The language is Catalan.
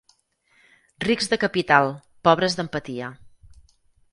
Rics de capital, pobres d'empatia.